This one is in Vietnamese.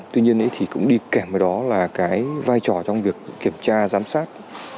tuy nhiên cũng đi kẻm với đó là vai trò trong việc kiểm tra giám sát